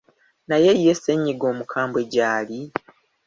Naye ye ssennyiga omukambwe gy’ali?